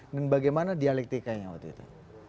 dan bagaimana dialektikanya waktu itu